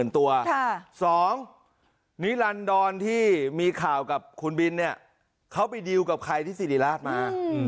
๒นิรันดรที่มีข่าวกับคุณบินเนี่ยเขาไปดีลกับใครที่สิริราชมา